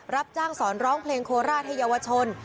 รับจ้างสอนร้องเพลงโคราชให้เยาวชน